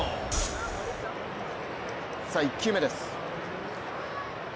さあ、１球目です。